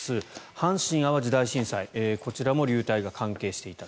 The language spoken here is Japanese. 阪神・淡路大震災、こちらも流体が関係していたと。